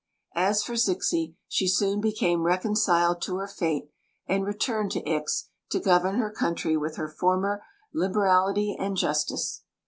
As for Zixi, she soon became reconciled to her fate, and returned to Ix to govern her country with her former liberality and justice.